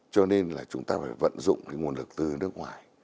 cho nên là chúng ta phải vận dụng nguồn lực từ nước ngoài